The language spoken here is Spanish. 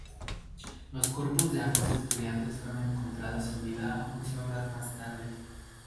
Los cuerpos de ambos estudiantes fueron encontrados sin vida once horas más tarde.